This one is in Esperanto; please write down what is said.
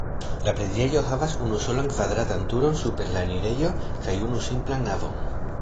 La preĝejo havas unusolan kvadratan turon super la enirejo kaj unu simplan navon.